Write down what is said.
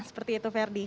seperti itu verdi